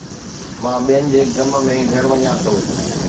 مان ٻين جي غم ۾ گهر وڃان ٿو